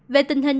về tình hình